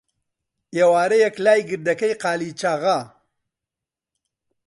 ئێوارەیەک، لای گردەکەی قالیچاغا،